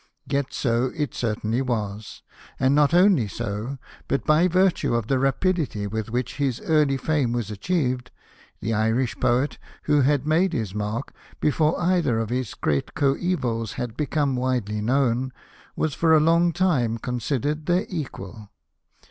Yet so it certainly was. And not only so, but by virtue of the rapidity with which his early fame was achieved the Irish poet, who had made his mark before either of his great coevals had become widely known, was for a long time considered their equal.